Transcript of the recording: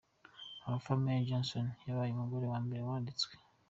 Opha May Johnson yabaye umugore wa mbere wanditswe.